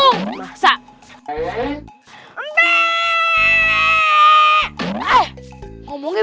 siapa yang kasih menda